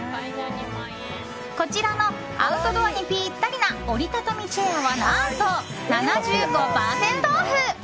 こちらのアウトドアにぴったりな折り畳みチェアは何と、７５％オフ。